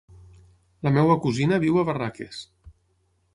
La meva cosina viu a Barraques.